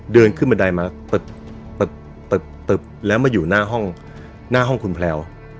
เดินขึ้นบันไดมาเปิดแล้วมาอยู่หน้าห้องหน้าห้องคุณแพลว